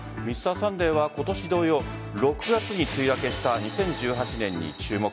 「Ｍｒ．サンデー」は今年同様６月に梅雨明けした２０１８年に注目。